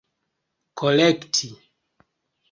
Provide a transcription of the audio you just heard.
kolekti